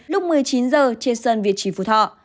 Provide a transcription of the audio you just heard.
lúc một mươi chín h trên sân việt trì phú thọ